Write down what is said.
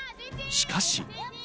しかし。